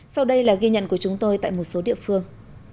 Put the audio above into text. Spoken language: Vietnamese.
sau đây là ghi nhận của chúng tôi tại một số địa phương